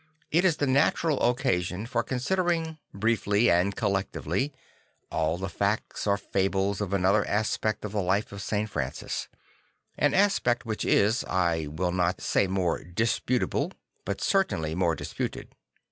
It is the natural occasion for considering 153 154 St. Francis of Assisi briefly and collectively all the facts or fables of another aspect of the life of St. Francis; an aspect which is, I will not say more disputable, but certainly more disputed.